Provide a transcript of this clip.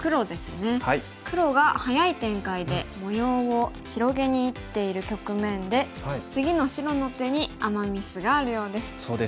黒が早い展開で模様を広げにいっている局面で次の白の手にアマ・ミスがあるようです。